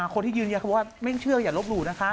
คนที่ยืนบอกว่าเงี้ยงเชื่ออย่าลดหลุดนะคะ